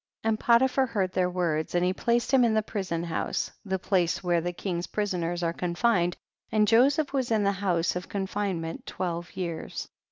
76. And Potiphar heard their words, and he placed him in the prison house, the place where the king's prisoners are confined, and Joseph was in the house of confine ment twelve years.